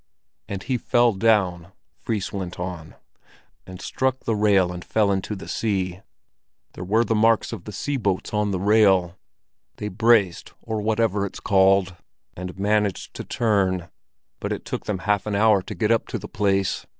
"And he fell down," Fris went on, "and struck the rail and fell into the sea. There were the marks of his sea boots on the rail. They braced—or whatever it's called—and managed to turn; but it took them half an hour to get up to the place.